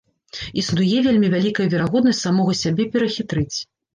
Існуе вельмі вялікая верагоднасць самога сябе перахітрыць.